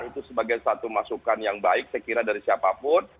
itu sebagai satu masukan yang baik sekiranya dari siapapun